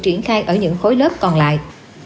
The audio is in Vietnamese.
triển khai ở những khối lớp còn lại